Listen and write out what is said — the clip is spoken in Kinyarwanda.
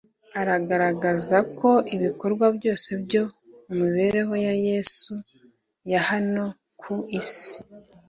aragaragaza ko ibikorwa byose byo mu mibereho ya Yesu ya hano ku isi,